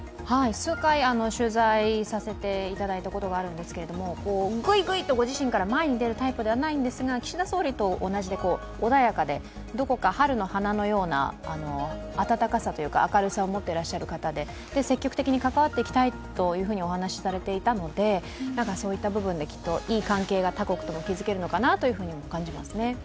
数回、取材させていただいたことがあるんですけれどもぐいぐいとご自身から前に出るタイプではないんですが、岸田総理と同じで、穏やかで、どこか春の花のような温かさというか、明るさを持ってらっしゃる方で積極的に関わっていきたいとお話しされていたのでそういった部分できっといい関係が他国とも築けるのかなと感じますね。